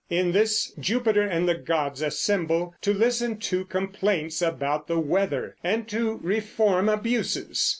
In this Jupiter and the gods assemble to listen to complaints about the weather and to reform abuses.